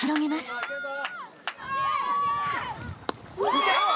いけ！